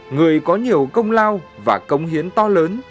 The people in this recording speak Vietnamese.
người có nhiều công lao và công hiến to lớn